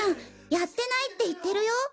やってないって言ってるよ。